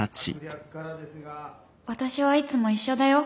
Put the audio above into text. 私はいつも一緒だよ